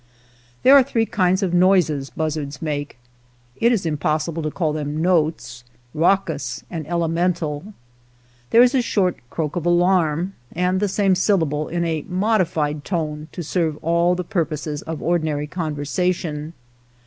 There are three kinds of noises buzzards make, — it is impossible to call them notes, — raucous and elemental. There is a short , croak of a larm, and the same syllable in a modified tone to serve all the purposes of ordinary conversation.